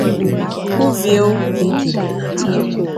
kwubie okwu